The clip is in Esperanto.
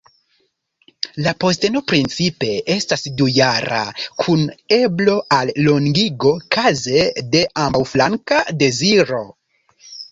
La posteno principe estas dujara, kun eblo al longigo kaze de ambaŭflanka deziro.